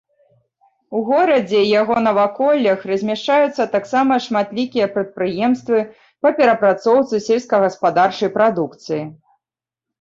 У горадзе і яго наваколлях размяшчаюцца таксама шматлікія прадпрыемствы па перапрацоўцы сельскагаспадарчай прадукцыі.